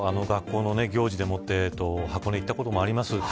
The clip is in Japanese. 学校の行事で箱根に行ったこともあります。